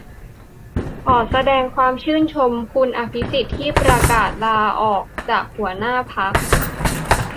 ขอแสดงความชื่นชมคุณอภิสิทธิ์ที่ประกาศลาออกจากหัวหน้าพรรค